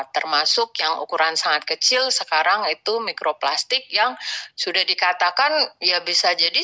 termasuk yang ukuran sangat kecil sekarang itu mikroplastik yang sudah dikatakan ya bisa jadi